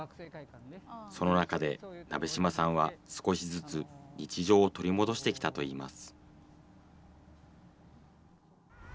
その中で、鍋島さんは少しずつ日常を取り戻してきたといいます。